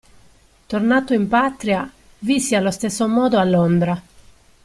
Tornato in patria, visse allo stesso modo a Londra.